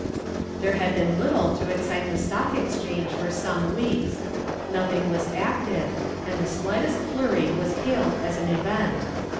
There had been little to excite the Stock Exchange for some weeks: nothing was active and the slightest flurry was hailed as an event.